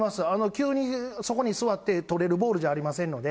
急にそこに座ってとれるボールじゃありませんので。